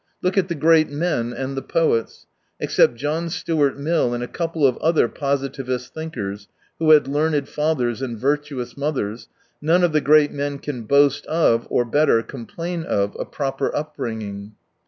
Look at the great men, and the poets. Except John Stuart Mill and a couple of other positivist thinkers, who had learned fathers and virtuous mothers, none of the great men can boast of, or better, complain of, a proper upbringing.